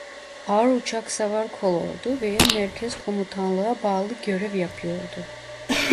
Ağır uçaksavar kolordu veya merkez komutanlığa bağlı görev yapıyordu.